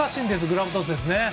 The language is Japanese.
グラブトスですね。